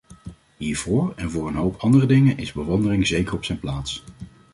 Hiervoor en voor een hoop andere dingen is bewondering zeker op zijn plaats.